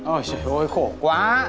ôi trời ơi khổ quá